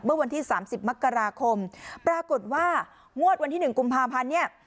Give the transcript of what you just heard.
เมื่อวันที่๓๐มกราคมปรากฏว่างวดวันที่๑กุมภาพันธ์เนี่ย